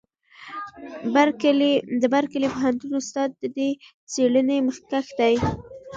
د برکلي پوهنتون استاد د دې څېړنې مخکښ دی.